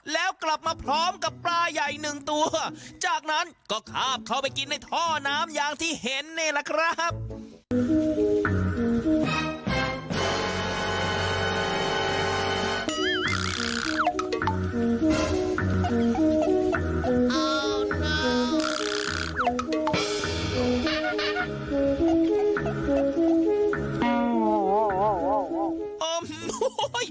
แล้วกลับมาพร้อมกับปลาใหญ่หนึ่งตัวจากนั้นก็คาบเข้าไปกินในท่อน้ำอย่างที่เห็นนี่แหละครับ